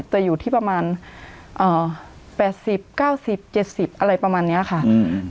แต่อยู่ที่ประมาณเอ่อแปดสิบเก้าสิบเจ็ดสิบอะไรประมาณเนี้ยค่ะอืม